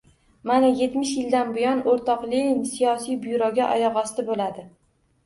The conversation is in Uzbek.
Mana, yetmish yildan buyon o‘rtoq Lenin... Siyosiy byuroga oyoqosti bo‘ladi!